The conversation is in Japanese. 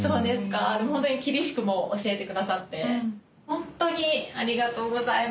「ホントに厳しくも教えてくださって」「ホントにありがとうございました」